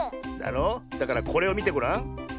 だろ？だからこれをみてごらん。